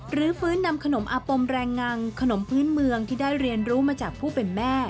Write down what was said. ฟื้นนำขนมอาปมแรงงังขนมพื้นเมืองที่ได้เรียนรู้มาจากผู้เป็นแม่